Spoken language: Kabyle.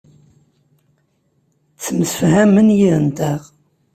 Ttemsefhamen yid-nteɣ.